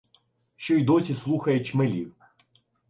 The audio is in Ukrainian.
Що й досі слухає чмелів!